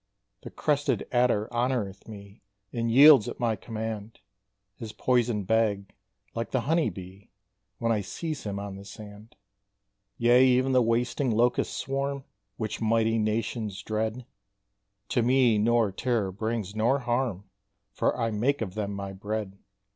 The crested adder honoureth me, And yields at my command His poison bag, like the honey bee, When I seize him on the sand. Yea, even the wasting locust swarm, Which mighty nations dread, To me nor terror brings, nor harm For I make of them my bread.